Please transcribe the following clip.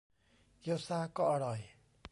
เกี๊ยวซ่าก็อร่อย